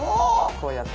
こうやって。